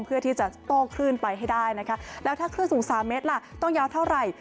เพื่อที่จะโต้คลื่นไปให้ได้นะคะแล้วถ้าคลื่นสูง๓เมตรล่ะต้องยาวเท่าไหร่